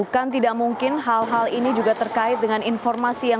karena beberapa kali juga disampaikan